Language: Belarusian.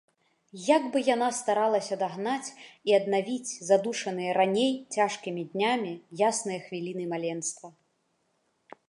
Як бы яна старалася дагнаць і аднавіць задушаныя раней цяжкімі днямі ясныя хвіліны маленства!